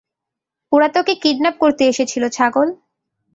ওরা তোকে কিডন্যাপ করতে এসেছিল, ছাগল।